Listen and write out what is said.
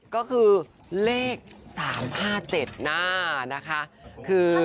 ก็คือเลข๓๕๗หน้านะคะ